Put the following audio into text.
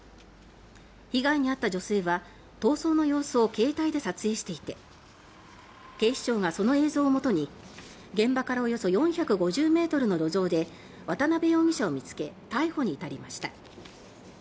被害に遭った女性は逃走の様子を携帯で撮影していて警視庁がその映像をもとに現場からおよそ４５０ｍの路上で渡辺容疑者を見つけ逮捕に至りました。